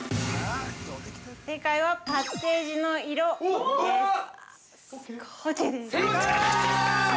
◆正解は、パッケージの色です。